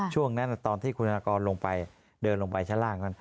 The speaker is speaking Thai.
ช่วงนั้นตอนที่คุณธนากรลงไปเดินลงไปชั้นล่างนั้น